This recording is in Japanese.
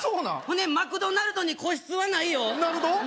ほんでマクドナルドに個室はないよナルド？